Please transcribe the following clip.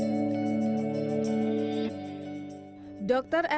jangan berpikir pikir jangan berpikir pikir